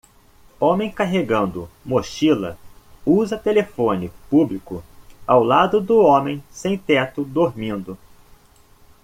homem carregando mochila usa telefone público ao lado do homem sem-teto dormindo.